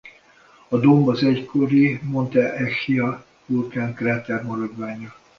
A domb az egykori Monte Echia vulkáni kráter maradványa.